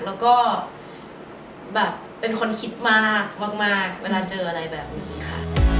แล้วก็แบบเป็นคนคิดมากมากเวลาเจออะไรแบบนี้ค่ะ